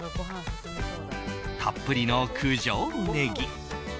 たっぷりの九条ネギ。